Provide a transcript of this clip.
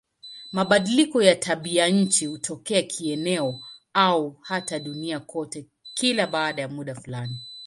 Mabadiliko ya tabianchi hutokea kieneo au hata duniani kote kila baada ya muda fulani.